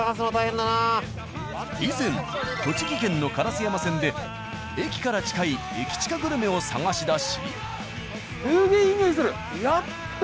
以前栃木県の烏山線で駅から近い駅近グルメを探し出し。